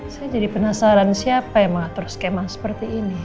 saya jadi penasaran siapa yang mengatur skema seperti ini